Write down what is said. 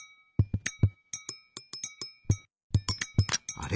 あれ？